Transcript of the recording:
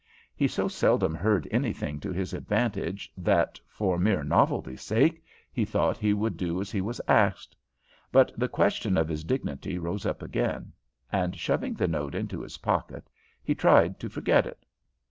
He so seldom heard anything to his advantage that, for mere novelty's sake, he thought he would do as he was asked; but the question of his dignity rose up again, and shoving the note into his pocket he tried to forget it.